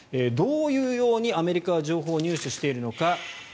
どういうようにアメリカは情報を入手しているのか。